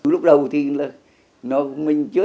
lúc đầu thì là